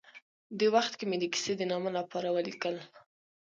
دې وخت کې مې د کیسې د نامه لپاره ولیکل.